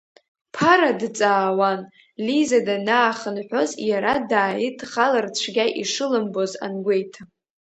Ԥара дҵаауан, Лиза данаахынҳәуаз иара дааидхалар цәгьа ишылымбоз ангәеиҭа.